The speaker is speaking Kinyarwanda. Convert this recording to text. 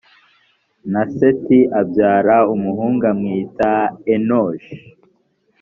na seti abyara umuhungu amwita enoshi